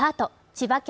千葉県